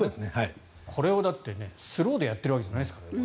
これをスローでやっているわけじゃないですからね。